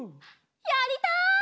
やりたい！